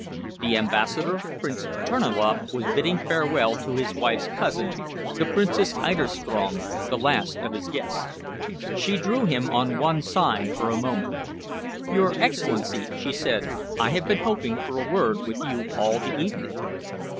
The Ambassador, Prince Terniloff, was bidding farewell to his wife's cousin, the Princess Eiderstrom, the last of his guests. She drew him on one side for a moment. "Your Excellency," she said, "I have been hoping for a word with you all the evening."